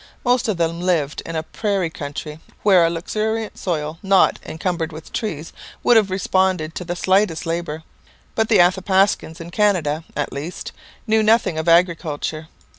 Most of them lived in a prairie country where a luxuriant soil, not encumbered with trees, would have responded to the slightest labour. But the Athapascans, in Canada at least, knew nothing of agriculture.